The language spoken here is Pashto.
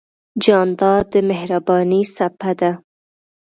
جانداد د مهربانۍ څپه ده.